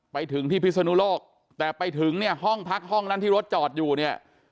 ไปถึงที่พิศนุโลกแต่ไปถึงเนี่ยห้องพักห้องนั้นที่รถจอดอยู่เนี่ย